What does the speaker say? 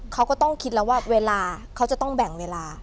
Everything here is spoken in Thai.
เขาก็ต้องคิดแล้วว่าเวลาเขาจะต้องแบ่งเวลา